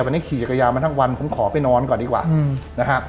วันนี้ขี่จักรยานมาทั้งวันผมขอไปนอนก่อนดีกว่านะครับ